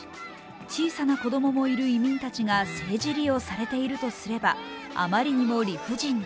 小さな子供もいる移民たちが政治利用されているとすればあまりにも理不尽だ。